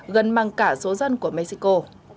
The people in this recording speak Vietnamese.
gần bằng cả số dân của mexico